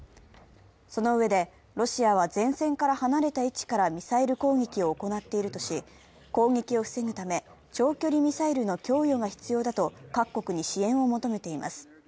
そのうえで、ロシアは前線から離れた位置からミサイル攻撃を行っているとし、攻撃を防ぐため、長距離ミサイルの供与が必要だと各国に支援を求めています。